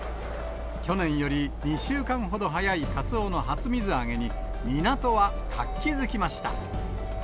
去年より２週間ほど早いカツオの初水揚げに、港は活気づきました。